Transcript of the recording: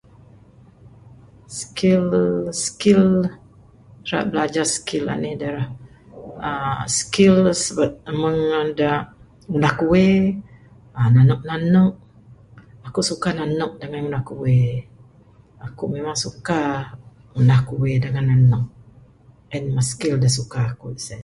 Skill-skill...ira bilajar skill anh da uhh skills meng da ngunah kuwe uhh nanek-nanek...aku suka nanek dangan ngunah kuwe...Aku memang suka ngunah kuwe dangan nanek...en mah skill da suka aku sien.